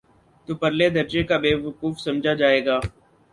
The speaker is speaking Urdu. تو پرلے درجے کا بیوقوف سمجھا جائے گا۔